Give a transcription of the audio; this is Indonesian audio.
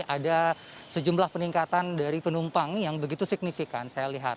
ada sejumlah peningkatan dari penumpang yang begitu signifikan saya lihat